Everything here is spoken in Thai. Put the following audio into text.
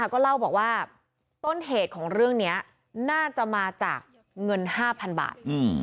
ก็เล่าบอกว่าต้นเหตุของเรื่องนี้น่าจะมาจากเงิน๕๐๐๐บาท